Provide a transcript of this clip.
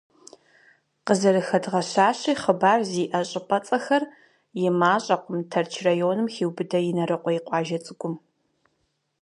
Къызэрыхэдгъэщащи, хъыбар зиӏэ щӏыпӏэцӏэхэр и мащӏэкъым Тэрч районым хиубыдэ Инарыкъуей къуажэ цӏыкӏум.